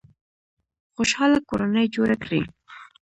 خوشحاله کورنۍ جوړه کړئ